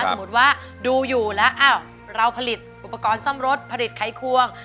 สมมุติว่าดูอยู่แล้วเราผลิตอุปกรณ์ซ่อมรถผลิตไขควง